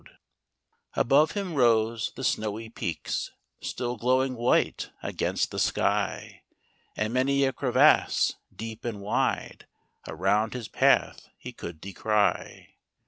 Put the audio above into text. HECTOR , Above him rose the snowy peaks, Still glowing white against the sky, And many a crevasse, deep and wide, Around his path he could descry.